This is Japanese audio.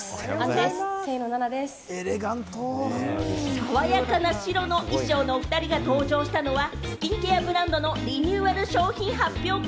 爽やかな白の衣装のおふたりが登場したのはスキンケアブランドのリニューアル商品発表会。